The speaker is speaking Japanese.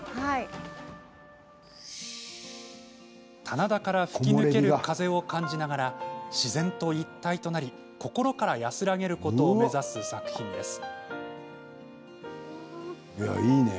棚田から吹き抜ける風を感じながら、自然と一体となり心から安らげることを目指す作品です。